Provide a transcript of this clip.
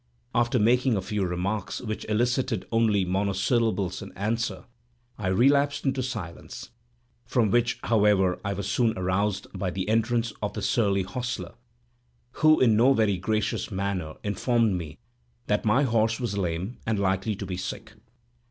After making a few remarks, which elicited only monosyllables in answer, I relapsed into silence; from which, however, I was soon aroused by the entrance of the surly hostler, who in no very gracious manner informed me that my horse was lame, and likely to be sick.